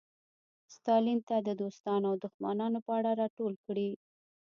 ستالین ته د دوستانو او دښمنانو په اړه راټول کړي.